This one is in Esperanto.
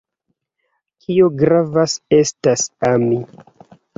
Kio gravas estas ami.